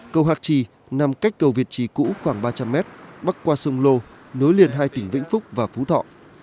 cầu hạc trì nằm cách cầu việt trì cũ khoảng ba trăm linh mét bắc qua sông lô nối liền hai tỉnh vĩnh phúc và phú thọ